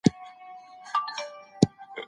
که په کاغذ کي کرښي نه وي نو لیکنه کږه وږه راځي.